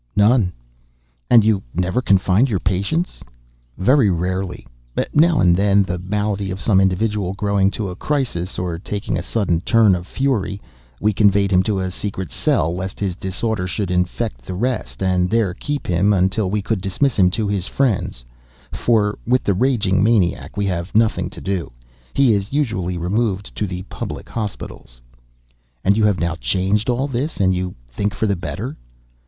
"None." "And you never confined your patients?" "Very rarely. Now and then, the malady of some individual growing to a crisis, or taking a sudden turn of fury, we conveyed him to a secret cell, lest his disorder should infect the rest, and there kept him until we could dismiss him to his friends—for with the raging maniac we have nothing to do. He is usually removed to the public hospitals." "And you have now changed all this—and you think for the better?"